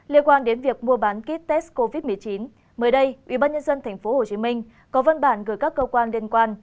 liên quan đến việc mua bán kit test covid một mươi chín mới đây ủy ban nhân dân tp hcm có văn bản gửi các cơ quan liên quan